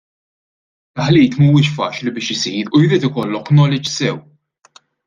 It-taħlit mhuwiex faċli biex isir u jrid ikollok knowledge sew.